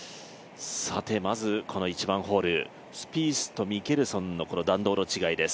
まずこの１番ホール、スピースとミケルソンの弾道の違いです。